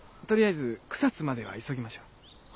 とりあえず草津までは急ぎましょう。